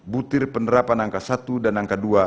butir penerapan angka satu dan angka dua